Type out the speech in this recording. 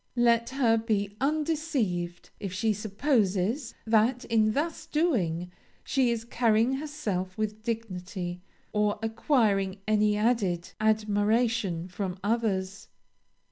Let her be undeceived if she supposes that in thus doing she is carrying herself with dignity, or acquiring any added admiration from others.